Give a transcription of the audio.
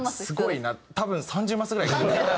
多分３０マスぐらい。